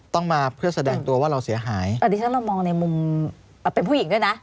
ต้องมาเพื่อแสดงตัวว่าเราเสียหายอันนี้ฉันเรามองในมุมเป็นผู้หญิงด้วยนะ